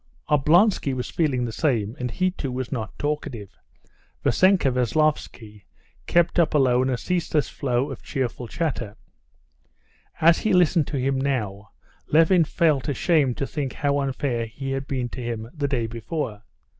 Oblonsky was feeling the same, and he too was not talkative. Vassenka Veslovsky kept up alone a ceaseless flow of cheerful chatter. As he listened to him now, Levin felt ashamed to think how unfair he had been to him the day before.